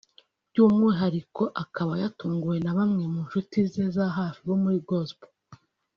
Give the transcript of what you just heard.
by’umwuhariko akaba yatunguwe na bamwe mu nshuti ze za hafi bo muri Gospel